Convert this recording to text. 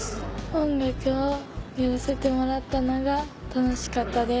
音楽をやらせてもらったのが楽しかったです。